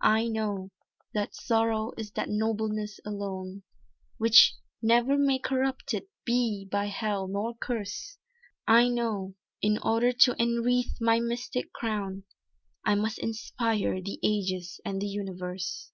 "I know, that Sorrow is that nobleness alone, Which never may corrupted be by hell nor curse, I know, in order to enwreathe my mystic crown I must inspire the ages and the universe."